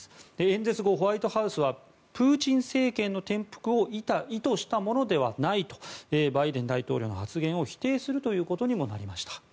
演説後、ホワイトハウスはプーチン政権の転覆を意図したものではないとバイデン大統領の発言を否定することにもなりました。